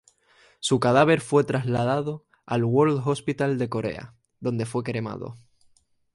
Su cadáver fue trasladado al World Hospital de Corea, donde fue cremado.